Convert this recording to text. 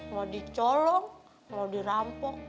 mau dicolong mau dirampok